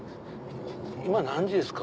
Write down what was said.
今何時ですか？